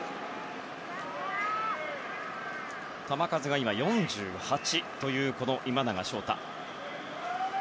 球数が今、４８という今永昇太。